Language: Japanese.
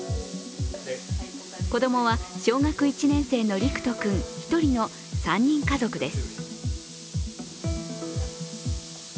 子供は小学１年生の璃空人君１人の３人家族です。